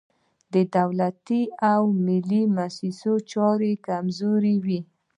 د دولتي او ملي موسسو چارې کمزورې وي.